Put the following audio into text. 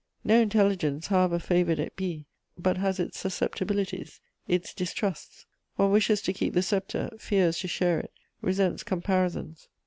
_ No intelligence, however favoured it be, but has its susceptibilities, its distrusts: one wishes to keep the sceptre, fears to share it, resents comparisons.